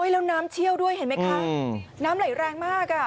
แล้วน้ำเชี่ยวด้วยเห็นไหมคะน้ำไหลแรงมาก